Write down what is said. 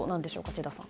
智田さん。